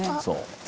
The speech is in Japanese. そう。